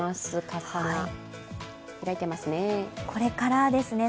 傘が開いていますね。